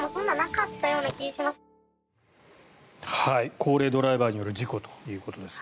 高齢ドライバーによる事故ということです。